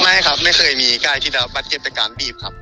ไม่ครับไม่เคยมีไก่ที่ได้รับบัตรเจ็บจากการบีบครับ